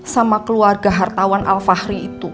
sama keluarga hartawan alfahri itu